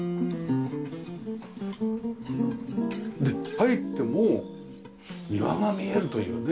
入ってもう庭が見えるというね。